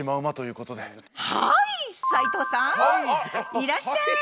いらっしゃい！